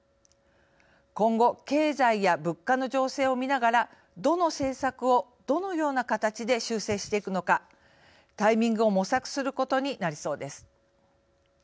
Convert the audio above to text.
今後経済や物価の情勢をみながらどの政策をどのような形で修正していくのかタイミングを模索することになりそうです。